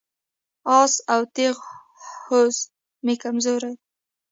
آس او تیغ هوس مې کمزوري ده.